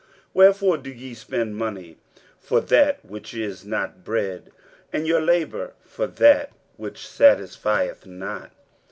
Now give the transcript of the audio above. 23:055:002 Wherefore do ye spend money for that which is not bread? and your labour for that which satisfieth not?